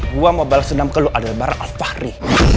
gua mau balas dendam ke lu adelbar al fahri